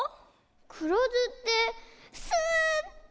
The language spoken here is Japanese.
くろずってすっぱいおす？